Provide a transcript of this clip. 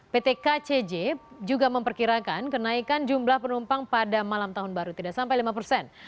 pt kcj juga memperkirakan kenaikan jumlah penumpang pada malam tahun baru tidak sampai lima persen